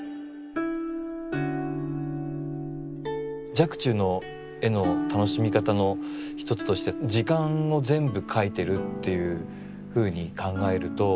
若冲の絵の楽しみ方の一つとして時間も全部描いてるっていうふうに考えると。